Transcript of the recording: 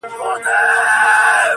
شاوخوا ټولي سيمي.